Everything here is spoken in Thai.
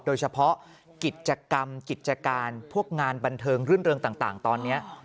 โดยเฉพาะกิจกรรมกิจการพวกงานบันเทิงรื่นเริงต่างตอนนี้